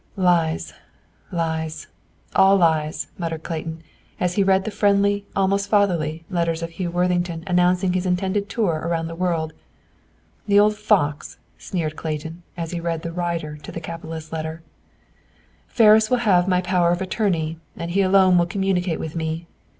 "Lies, lies, all lies," muttered Clayton, as he read the friendly, almost fatherly, letters of Hugh Worthington announcing his intended tour around the world. "The old fox," sneered Clayton, as he read the "rider" to the capitalist's letter. "Ferris will have my power of attorney, and he alone will communicate with me.